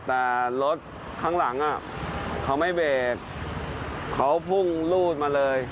แต่รถข้างหลังเขาไม่เบรกเขาพุ่งรูดมาเลย